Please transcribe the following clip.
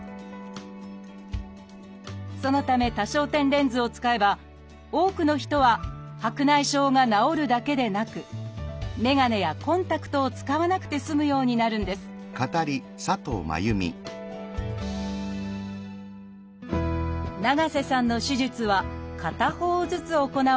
そのため多焦点レンズを使えば多くの人は白内障が治るだけでなくメガネやコンタクトを使わなくて済むようになるんです長瀬さんの手術は片方ずつ行われました。